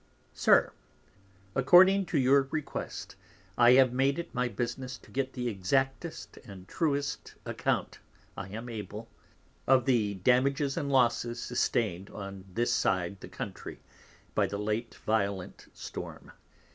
_ SIR, According to your request, I have made it my business to get the exactest and truest account (I am able) of the damages and losses sustain'd on this side the Country, by the late Violent Storm.